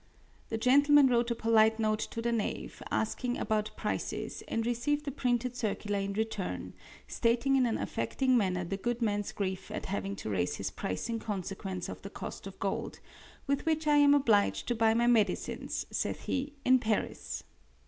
The gentleman wrote a polite note to the knave asking about prices, and received a printed circular in return, stating in an affecting manner the good man's grief at having to raise his price in consequence of the cost of gold "with which I am obliged to buy my medicines" saith he, "in Paris."